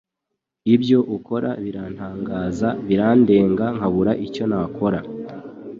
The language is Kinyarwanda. ibyo ukora birantangaza birandenga nkabura icyonakora